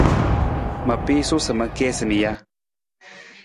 Ma piisu sa ma kiisa mi ja?